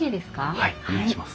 はいお願いします。